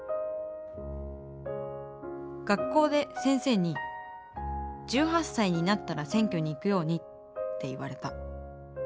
学校で先生に「１８歳になったら選挙に行くように」って言われた。